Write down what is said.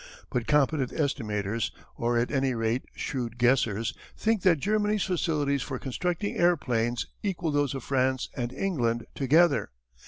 But competent estimators or at any rate shrewd guessers think that Germany's facilities for constructing airplanes equal those of France and England together.